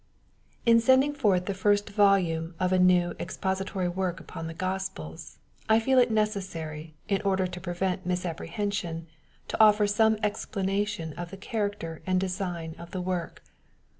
In sending forth the first volume of a new expodtoiy work upon the Gospels, I feel it necessary, in order to prevent misapprehension, to offer some explanation of the character and design of the work.